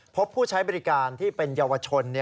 พบผู้ใช้บริการที่เป็นเยาวชน